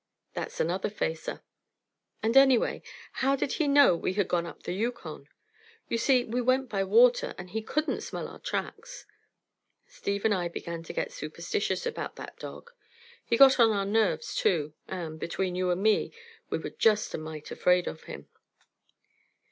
That's another facer. And anyway, how did he know we had gone up the Yukon? You see, we went by water, and he couldn't smell our tracks. Steve and I began to get superstitious about that dog. He got on our nerves, too; and, between you and me, we were just a mite afraid of him.